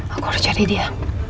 aku harus cari dia